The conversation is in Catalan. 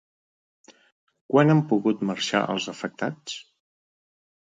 Quan han pogut marxar els afectats?